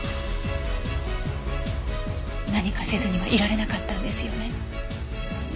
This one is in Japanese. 何かせずにはいられなかったんですよね。